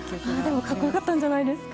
でも、格好良かったんじゃないですか？